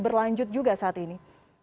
berlanjut juga saat ini